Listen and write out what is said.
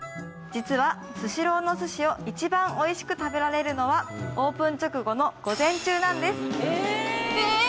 実はスシローのお寿司を一番おいしく食べられるのはオープン直後の午前中なんですえっ